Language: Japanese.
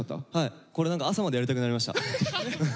これ何か朝までやりたくなりました。